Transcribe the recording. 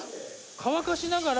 乾かしながら」